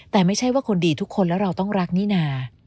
แต่ไม่ใช่ว่าคนดีทุกคนแล้วเราต้องรักนี่นา